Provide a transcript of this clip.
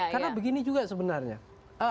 karena begini juga sebenarnya